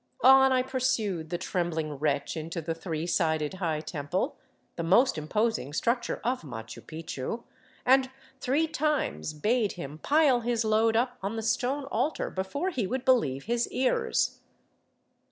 On I pursued the trembling wretch into the three sided high temple, the most imposing structure of Machu Picchu, and three times bade him pile his load up on the stone altar before he would believe his ears.